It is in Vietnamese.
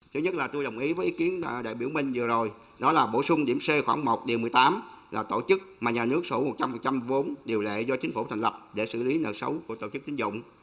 thứ nhất là tôi đồng ý với ý kiến đại biểu minh vừa rồi đó là bổ sung điểm c khoảng một điều một mươi tám là tổ chức mà nhà nước sổ một trăm linh vốn điều lệ do chính phủ thành lập để xử lý nợ xấu của tổ chức tín dụng